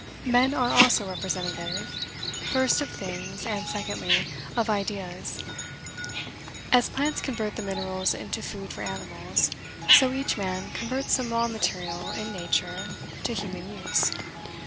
Men are also representative; first, of things, and secondly, of ideas. As plants convert the minerals into food for animals, so each man converts some raw material in nature to human use.